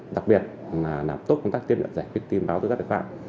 đặc biệt là làm tốt công tác tiêm nhận giải quyết tiêm báo tư giác đại phạm